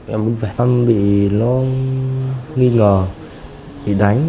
em bị lo nghi ngờ bị đánh